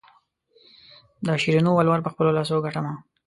د شیرینو ولور په خپلو لاسو ګټمه.